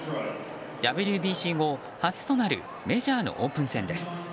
ＷＢＣ後初となるメジャーのオープン戦です。